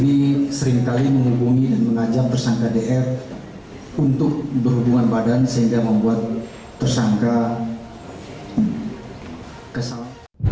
ini seringkali menghubungi dan mengajak tersangka dr untuk berhubungan badan sehingga membuat tersangka kesal